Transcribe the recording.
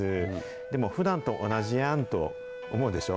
でも、ふだんと同じやんと思うでしょ？